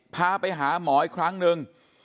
พาไปหาหมออีกครั้งหนึ่ง